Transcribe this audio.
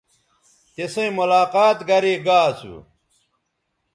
تِسئیں ملاقات گرے گا اسو